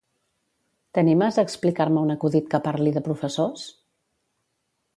T'animes a explicar-me un acudit que parli de professors?